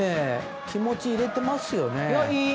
気持ち入れてますよね。